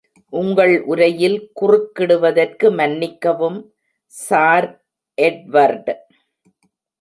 உங்கள் உரையில் குறுக்கிடுவதற்கு மன்னிக்கவும், சார் எட்வர்ட்.